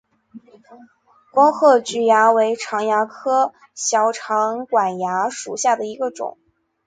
光褐菊蚜为常蚜科小长管蚜属下的一个种。